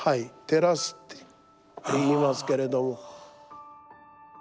テラスっていいますけれども。